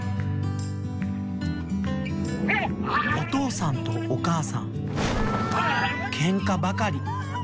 おとうさんとおかあさんケンカばかり。